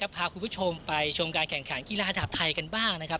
พาคุณผู้ชมไปชมการแข่งขันกีฬาระดับไทยกันบ้างนะครับ